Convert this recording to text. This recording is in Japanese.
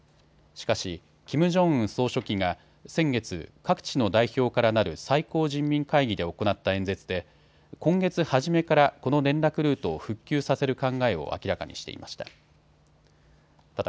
しかしキム・ジョンウン総書記が先月、各地の代表からなる最高人民会議で行った演説で今月初めからこの連絡ルートを復旧させる考えを明らかにしていました。